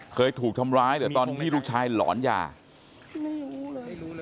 เคยถูกทำร้ายเหรอตอนที่ลูกชายหลอนยาไม่รู้เลย